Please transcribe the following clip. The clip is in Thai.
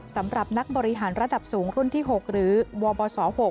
สำหรับนักบริหารระดับสูงรุ่นที่๖หรือวบศ๖